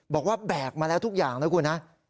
บอกว่าแบกมาแล้วทุกอย่างนะครับคุณฮะ